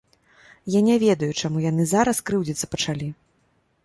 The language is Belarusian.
Я не ведаю, чаму яны зараз крыўдзіцца пачалі.